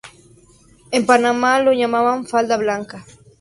En Panamá lo llaman falda blanca.